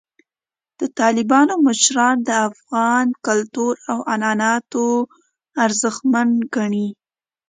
د طالبانو مشران د افغان کلتور او عنعناتو ارزښتمن ګڼي.